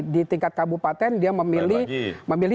di tingkat kabupaten dia memilih